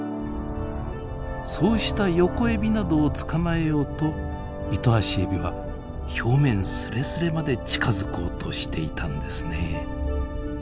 そうしたヨコエビなどを捕まえようとイトアシエビは表面すれすれまで近づこうとしていたんですね。